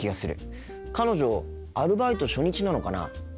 彼女アルバイト初日なのかな。